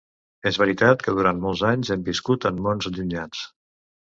És veritat que durant molts anys hem viscut en mons allunyats.